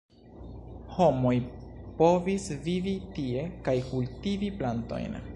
Homoj povis vivi tie kaj kultivi plantojn.